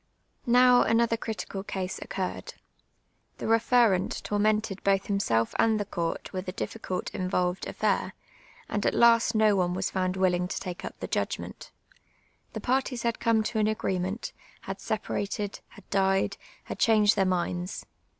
Now, another critical ca.se occuiTcd. Tlie Ixt'firnit tonnented both himself and the court with n difficult involved afl'air, and at last no one was found willinc to take up the judpnent. ITie parties had come to an afjree mcnt, had separated, had died, had chan<je(l their minds.